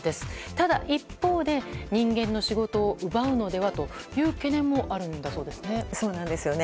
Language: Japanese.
ただ一方で人間の仕事を奪うのでは？という懸念もあるんだそうですね。